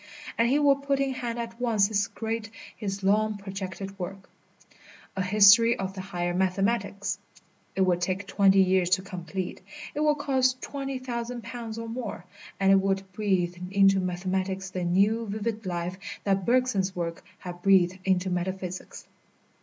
And he would put in hand at once his great, his long projected work, "A History of the Higher Mathematics." It would take twenty years to complete, it would cost twenty thousand pounds or more, and it would breathe into mathematics the new, vivid life that Bergson's works have breathed into metaphysics.